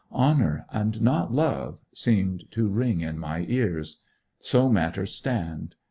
'Honour and not love' seemed to ring in my ears. So matters stand.